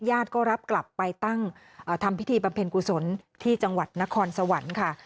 ญาติก็รับกลับไปตั้งทำพิธีบำเพ็ญกุศลที่จังหวัดนครสวรรค์ค่ะ